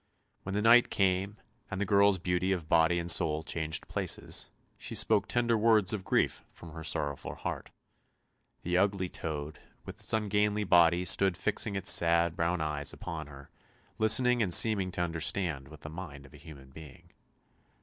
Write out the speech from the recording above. When the night came and the girl's beauty of body and soul changed places, she spoke tender words of grief from her sorrowful heart. The ugly toad with its ungainly body stood fixing its sad brown eyes upon her, listening and seeming to understand with the mind of a human being.